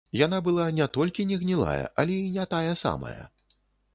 Яна была не толькі не гнілая, але і не тая самая.